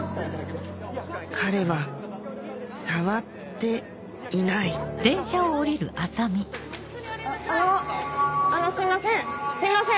彼は触っていないあのすいませんすいません